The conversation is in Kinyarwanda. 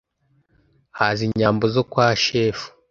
Haza inyambo zo kwa Shefu